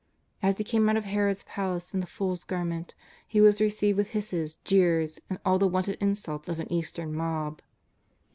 As He came out of Herod's palace in the fool's garment. He was received with hisses, jeers, and all the wonted in sults of an Eastern mob.